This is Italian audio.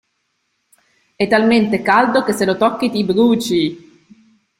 È talmente caldo che se lo tocchi ti bruci!